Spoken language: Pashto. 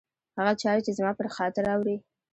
هغه چاري چي زما پر خاطر اوري